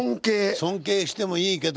尊敬してもいいけど。